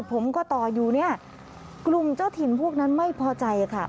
ผมก็ต่ออยู่เนี่ยกลุ่มเจ้าถิ่นพวกนั้นไม่พอใจค่ะ